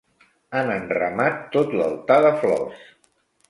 Han enramat tot l'altar de flors.